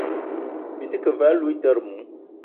Byi te ke ve aloutere mou ?